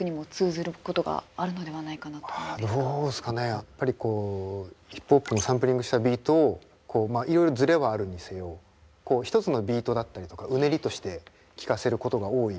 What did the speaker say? やっぱりこうヒップホップもサンプリングしたビートをこうまあいろいろズレはあるにせよ１つのビートだったりとかうねりとして聴かせることが多いと思うんですけど。